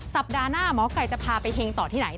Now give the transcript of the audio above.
สัปดาห์หน้าหมอไก่จะพาไปเฮงต่อที่ไหน